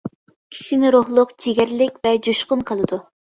كىشىنى روھلۇق، جىگەرلىك ۋە جۇشقۇن قىلىدۇ.